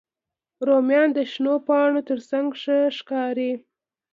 رومیان د شنو پاڼو تر څنګ ښه ښکاري